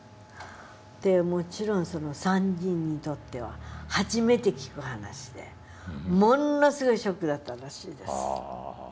もちろんその３人にとっては初めて聞く話でものすごいショックだったらしいです。